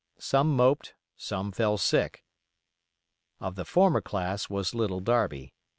Some moped, some fell sick. Of the former class was Little Darby.